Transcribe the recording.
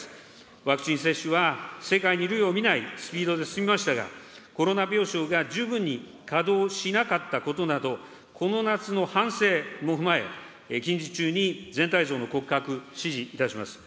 ワクチン接種は世界に類を見ないスピードで進みましたが、コロナ病床が十分に稼働しなかったことなど、この夏の反省も踏まえ、近日中に全体像の骨格、指示いたします。